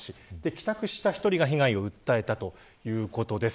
帰宅した１人が被害を訴えたということです。